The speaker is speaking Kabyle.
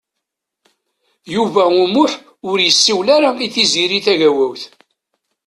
Yuba U Muḥ ur yessiwel ara i Tiziri Tagawawt.